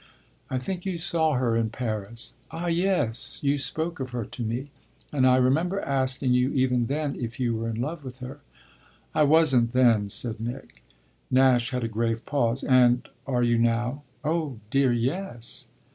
I think you saw her in Paris." "Ah yes: you spoke of her to me, and I remember asking you even then if you were in love with her." "I wasn't then," said Nick. Nash had a grave pause. "And are you now?" "Oh dear, yes."